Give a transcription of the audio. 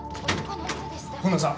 本田さん